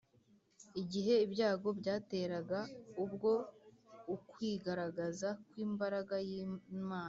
igihe ibyago byateraga, ubwo ukwigaragaza kw’imbaraga y’imana